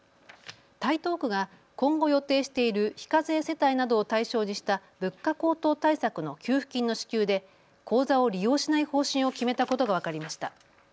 台東区が今後予定している非課税世帯などを対象にした物価高騰対策の給付金の支給で口座を利用しない方針を決めたことが分かりました。